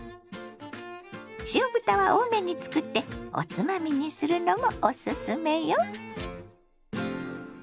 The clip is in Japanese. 塩豚は多めに作っておつまみにするのもおすすめよ。